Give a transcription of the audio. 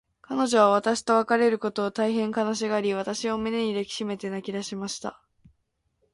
彼女は私と別れることを、大へん悲しがり、私を胸に抱きしめて泣きだしました。